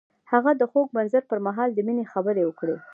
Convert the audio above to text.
هغه د خوږ منظر پر مهال د مینې خبرې وکړې.